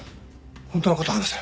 本当の事を話せ。